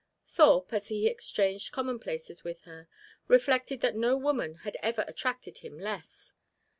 Thorpe, as he exchanged commonplaces with her, reflected that no woman had ever attracted him less.